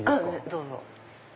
どうぞ。